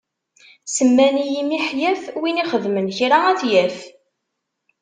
Semman-iyi Miḥyaf win ixedmen kra ad t-yaf.